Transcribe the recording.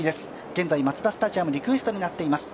現在マツダスタジアム、リクエストになっています。